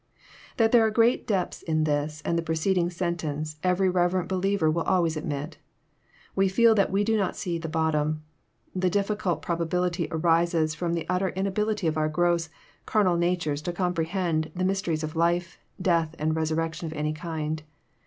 That there are great depths in this and the preceding sen tence, every reverent believer will always admit. We feel that we do not see the bottom. The difficulty probably arises from the utter inability of our gross, carnal natures to comprehend the mysteries of life, death, and resurrection of any kind.